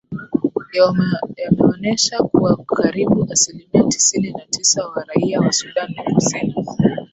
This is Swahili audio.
yameonesha kuwa karibu asilimia tisini na tisa wa raia wa sudan kusini